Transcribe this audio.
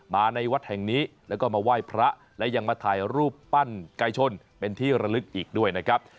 มาในวัดแห่งนี้แล้วก็มาไหว้พระและยังมาถ่ายรูปปั้นไก่ชนเป็นที่ระลึกอีกด้วยนะครับ